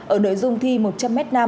ở nơi dung thi một trăm linh m năm